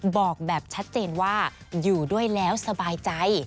บอกแบบชัดเจนว่าอยู่ด้วยแล้วสบายใจ